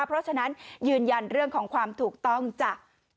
เพราะฉะนั้นยืนยันเรื่องของความถูกต้องจ้ะ